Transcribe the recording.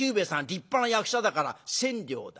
立派な役者だから千両だ」。